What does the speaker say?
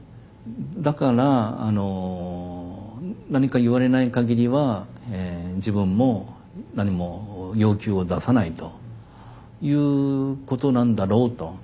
だから何か言われない限りは自分も何も要求を出さないということなんだろうと。